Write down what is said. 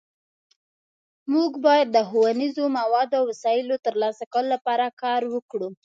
مونږ باید د ښوونیزو موادو او وسایلو د ترلاسه کولو لپاره کار وکړو